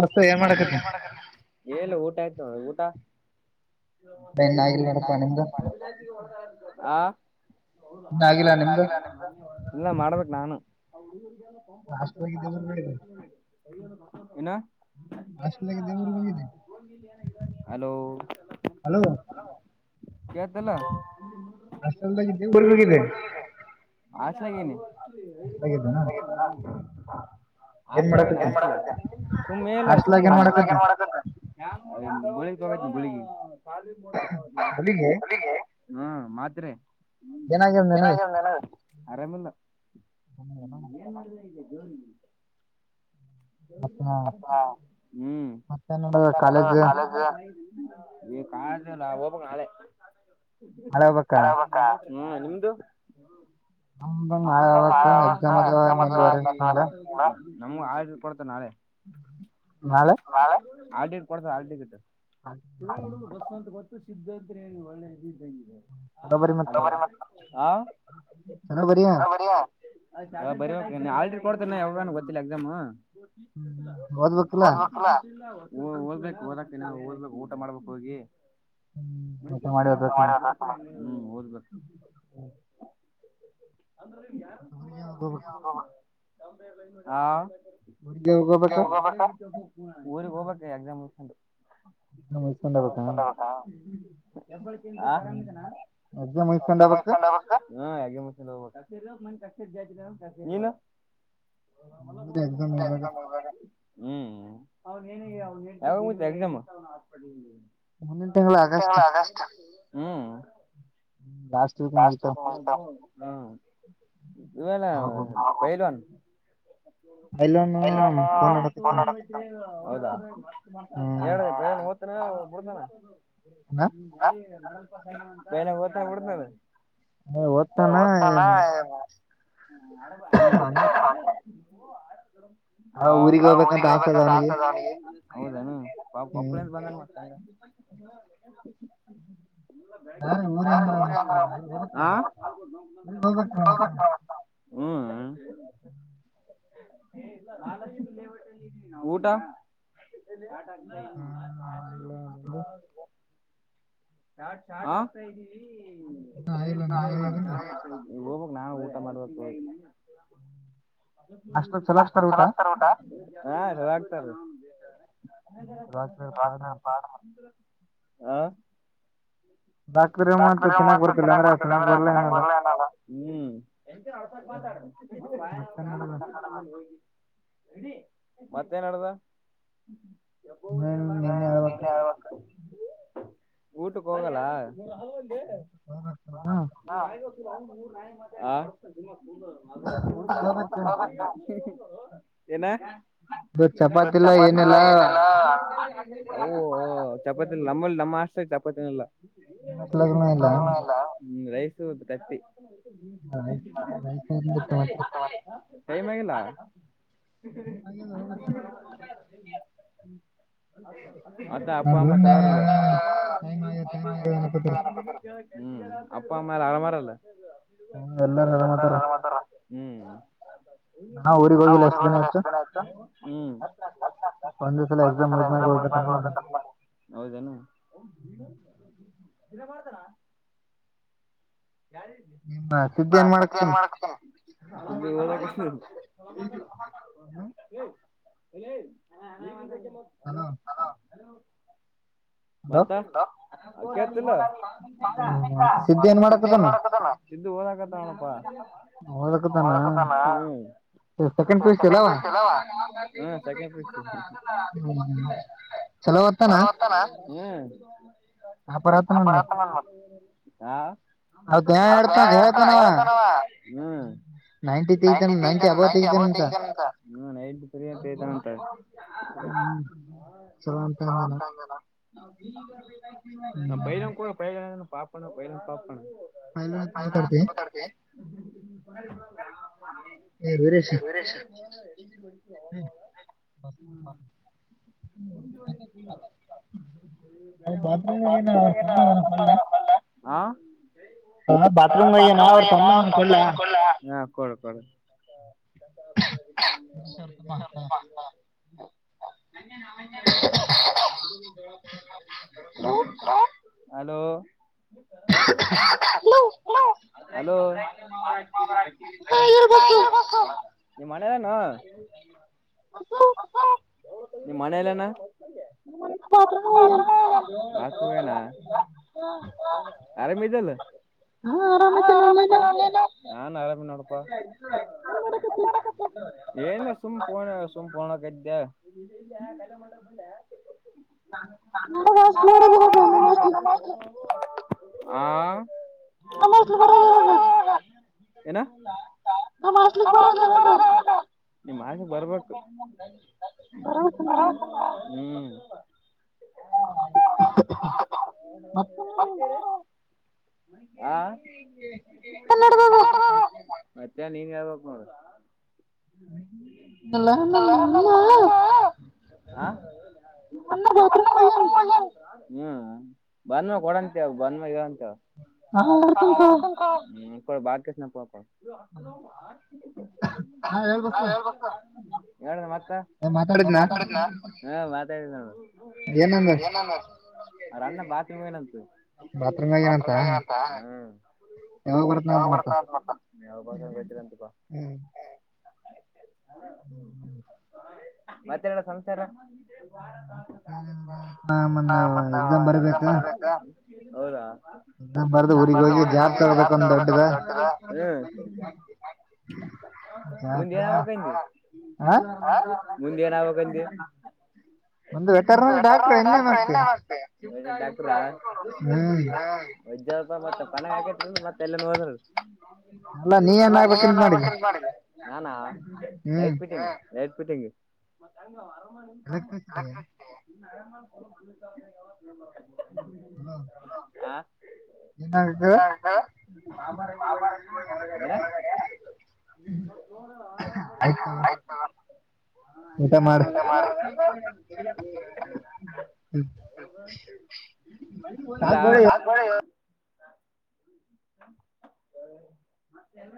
ಮತ್ತ ಏನ ಮಾಡಕತ್ತಿ? ಎ ಎನಿಲ್ಲ ಊಟ ಆಯ್ತ ಊಟ [unintelligible] ಆ ಇನ್ನ ಆಗಿಲ್ಲಾ ನಿಮ್ದು? ಇಲ್ಲ ಮಾಡ್ಬೇಕ ನಾನು. [unintelligible] ಏನ್? ಹಾಸ್ಟೆಲನ್ಯಾಗ ಇದ್ಯಾ ಊರಿಗ ಹೋಗಿದೀ? ಹಲೋ. ಹಲೋ ಹಾಸ್ಟೆಲ್ದಾಗ ಇದ್ಯಾ ಊರಿಗ ಹೋಗಿದೀ? ಹಾಸ್ಟಾಲಾಗ್ ಇನಿ. ಹಾಸ್ಟಲ್ಲಾಗ ಏನ [unintelligible] ಸುಮ್ಮ ಏನಿಲ್ಲ ಸುಮ್ಮ [unintelligible] [unintelligible] ಹುಬ್ಬಳ್ಳಿಗ ಈಗ ಹುಬ್ಬಳ್ಳಿಗ [unintelligible] ಹ್ಮ ಮಾತ್ರೆ ಏನ್ ಆಗ್ಯಾದ್ ನಿನಗ ಆರಾಮಿಲ್ಲ. ಹ್ಮ್ ಏನ್ ಮಾಡ್ತಾ ಇದೀ ದೇವ್ರಿಗಿ? ಹಾ ಹ್ಮ್ ಮತ್ತೆನ್ ನಡದದ ಕಾಲೇಜ್? ಈ ಕಾಣಲಿಲ್ಲ ಹೋಗಬೇಕ್ ನಾಳೆ [unintelligible] [unintelligible] ಹ್ಮ್ ನಿಮ್ದು? [unintelligible] ನಮ್ಗ ಹಾಲ್ ಟಿಕೇಟ್ ಕೊಡ್ತಾರ್ ನಾಳೆ. ನಾಳೆ ಹಾ ಹಾಲ್ ಟಿಕಟ್ ಕೊಡ್ತಾರ್ ಹಾಲ್ ಟಿಕೆಟ್ [unintelligible] ಹುಡುಗ ಬಂತ ಗೊ [unintelligible] ನ ಬರಿಯಾ ರಿ ಹಾ ಬರೀಬೇಕ್ ಇನ್ನೂ ಹಾಲ್ ಟಿಕೇಟ್ ಕೊಡ್ತ ಇನ್ನ್ ಯಾವಾಗಾನ ಗೊತ್ತಿಲ್ಲ ಎಕ್ಸಾಮ್ ಓದಬೇಕಿಲ್ಲಾ? ಓ ಓದ್ಬೇಕು ಓದಕ್ ಇನ್ನ್ ನಾವು ಓದ್ಬೇಕು ಊಟ ಮಾಡ್ಬೇಕ್ ಹೋಗಿ [unintelligible] ಹ್ಮ್ ಓದಬೇಕ. ಹ್ಮ [unintelligible] ಊರಿಗ್ ಹೋಗಬೇಕ್ ಎಕ್ಸಾಮ್ ಮೂಗಸ್ಕೊಂಡು. [unintelligible] ಆ [unintelligible] ನೀನು [unintelligible] ಹ್ಮ. [unintelligible] ಹೌದ ಹಂಗಮ [unintelligible] ಆಗಷ್ಟ ಹ್ಮ. ಬಸ್ [unintelligible] ಹ್ಮ್ ಏನ್ ಪೈಲ್ವಾನ್. ಪೈಲ್ವಾನ್ ಫೋನ್ ನೋಡಾಕತ್ತಾನ ಹೌದ. ಹೇಳ [unintelligible] [unintelligible] [unintelligible] ಎ ಒದತಾನ್ಮ ಹ್ಮ. ಅ ಊರಿಗ ಹೋಗ್ಬೇಕಂತ ಆಸದ ಅವನಿಗಿ ಹೌದನ ಪಾ ಪಪ್ಪಳಿಂದ ಬಂದನ ಮತ್ತ. [unintelligible] ಆ ಹ್ಮ [unintelligible] ಊಟ. ಆ [unintelligible] ಹೋಗ್ಬೇಕ ನಾ ಊಟ ಮಾಡ್ಬೇಕ ಹೋಗಿ [unintelligible] ಹಾ ಹೇಳಾಕತರ [unintelligible] ಅ ಡಾಕ್ಟ್ರ ಮತ್ತ ತಿನ್ನಾಕ ಬರತ್ತ ಇಲ್ಲಂದ್ರ ತಿನ್ನಾಕ ಬರಲ್ಲ ಹ್ಮ್. [unintelligible] ಮತ್ತೆ ನಡ್ಡ [unintelligible] ಊಟಕ್ಕ ಹೋಗಲಾ. [unintelligible] [unintelligible] ಆ [unintelligible] ಏನ ಇ ಚಪಾತಿಲ್ಲ ಏನಿಲ್ಲ. ಉ ಉ ಚಪಾತಿ ನಮ್ ಹಾಸ್ಟೆಲ್ ಅಲ್ಲಿ ಚಪಾತಿನೇ ಇಲ್ಲ [unintelligible] ರೈಸು ತಟ್ಟಿ [unintelligible] ಟೈಮ ಆಗಿಲ್ಲ. ಆಗ್ಯದ ಹೋಗ್ಬೇಕ. ಮತ್ತ ಅಪ್ಪ ಅಮ್ಮ ಚೆನ್ನಾವರಲ್ಲ. ಹ್ಮ ಅಪ್ಪ ಅಮ್ಮ ಆರಾಮ ಆರಲ್ಲ. ಹೂ ಎಲ್ಲರ ಆರಾಮ್ ಅದಾರ. ಹ್ಮ ನಾ ಉರಿಗ ಹೋಗಿರ ಎಷ್ಟ ದಿನ ಆಯ್ತ. ಒಂದಸಲ ಎಕ್ಸಾಮ್ ಮುಗದ ಮೇಲೆ ಹೋಗಬೇಕ ಅಂತ ಮಾಡಿನಿ. ಹೌದೇನ. [unintelligible] ದಿನ ಕೊಡಾತಾಣ. ಹಾ ಸುದ್ದಿ ಏನ್ ಮಾಡಕತ್ತನ. [unintelligible] ಯೋ ಹಲೋ [unintelligible] ಹಲೋ ಮತ್ತ ಕೇಳ್ತಿಲ್ಲ [unintelligible] ಸಿದ್ದ ಏನ್ ಮಾಡಕ್ಕತ್ತನ [unintelligible] ಹ ಓದಕ್ತನ ಸೆಕಂಡ್ ಪಿಯುಸಿ ನ ಚಲೋ ಓದ್ತಾನ? ಹ್ಮ್ ಅಪರ ಅತನ್ ಮ ಹ ಅವ [unintelligible] ಹೇಳ್ತ ಹೇಳ್ತಾನವ ಹ್ಮ ನೈಂಟಿ ತೆಗಿತಾನ ನೈಟಿ ಅಬೌ ತೆಗಿತಾನಂತ [unintelligible] ಹ್ಮ [unintelligible] ನಮ್ ಭೈರನ್ ಕೂಡ [unintelligible] ಪಾಪ ಅದಾನ್ ಭೈರನ್ ಪಾಪ [unintelligible] ಮಾತಾಡ್ತಿ ಏಯ್ ವಿರೇಶ್ ಬ [unintelligible] ಅದ ಬಾತ್ ರೂಮ್ನಾಗೇನ ಸಮ್ಮಾಧನ [unintelligible] ಆ ಅವಾ ಬಾತ್ರೂಮ್ಗೆ ಹೋಗ್ಯಾನ ಅವ್ರ್ ತಮ್ಮ ಅದಾನ ಕೊಡ್ಲಾ? [unintelligible] [unintelligible] ಹಲೋ ಹಲೋ ಹಾ ಹೇಳ್ಬೇಕು [unintelligible] [inaudible] ನಿಮ್ ಅಣ್ಣ ಎಲ್ಲಯಾನ? ನಮಣ್ ಬಾತ್ರೂಮ್ ಹೋಗ್ಯಾನ ಹಾ ಆರಾಮ ಇದಲ್ಲ ಹಾ ಆರಾಮ ಇದೀನಿ ನೋಡ್ ನೀನು [unintelligible] ಏನ್ ಮಾಡಕತ್ ಏನಿಲ್ಲ ಸುಮ್ಮ್ ಫೋನ್ ಸುಮ್ ಫೋನಾ ಗದ್ಯ. [unintelligible] ಆ ಮನೆ ಒಕ್ಲು ಬರದ್ ಯಾವಾಗ? ನಮ್ ಹಾಸ್ಟೆಲ್ ಗೆ ಬರೊದ್ ಯಾವಾಗ [unintelligible] [unintelligible] ಹ್ಮ್ [unintelligible] ಆ [unintelligible] ಏ ನೀನೆ ಹೇಳ್ಬೇಕು ನೋಡು. ನಲ್ಲ ನಮ್ಮಣ್ಣ ನನ್ನ ಬಾತ್ರೂಮ್ ಹೋಗ್ಯಾನ್. ಹ್ಮ್ ಬಂದ್ಮ್ಯಾಗ್ ಕೊಡಂತೆ ಬಂದ್ಮ್ಯಾಗ್ ಹೇಳುವಂತೆ [unintelligible] ಹ್ಮ್ ಕೊಡ್ ಬಾತ್ ಕೃಷ್ಣ ಪ ಹಾ ಹೇಳ್ಬೇಕು [unintelligible] ಏನ್ ಮಾತಾಡಿದ್ನ ಹಾ ಮಾತಾಡಿದ್ನೋಡು. [unintelligible] ಅವ್ರಣ್ಣ ಬಾತ್ರೂಮ್ ಹೋಗ್ಯಾನಂತೆ ಬಾತ್ರೂಮ್ ಹೋಗ್ಯಾನಂತ ಹ್ಮ್ ಯಾವಾಗ ಬರತಾಳಂತ [unintelligible] ಹುಂ ಮತ್ತೆನ ಸಮಾಚಾರಾ [unintelligible] ಹೌದಾ ಬರ್ದು ಊರಿಗ್ ಹೋಗಿ ಜಾಬ್ ತಗೋಬೇಕ ಒಂದ ದೊಡ್ಡದ ಹ ಹಾ ಹಾ ಮುಂದೆ ಏನಾಗಬೇಕಂತಿ ಒಂದು [unintelligible] ವದ್ಯ ಮತ್ತ ಹಾಕ ಮತ್ತೆ ಎಲ್ಲಿಗ ಹೋದ್ರ ಅಲ್ಲ ನೀ ಏನ್ ಆಗಬೇಕಂತ ಮಾಡಿ ನಾನ ಲೈಟ್ ಪಿಟ್ಟಿಂಗ ಲೈಟ್ ಫಿಟಿಂಗ್ [inaudible] ಹುಂ ಹಾ [unintelligible] ಆಯ್ತ ತಗೋ ಊಟಾ ಮಾಡ [unintelligible] [unintelligible] [inaudible]